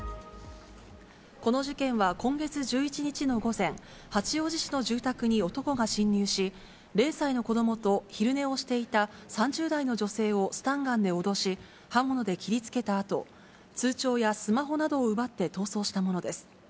この事件は今月１１日の午前、八王子市の住宅に男が侵入し、０歳の子どもと昼寝をしていた３０代の女性をスタンガンで脅し、刃物で切りつけたあと通帳やスマホなどを奪って逃走したものです。